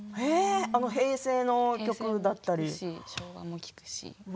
平成の曲だったり。